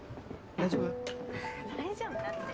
大丈夫。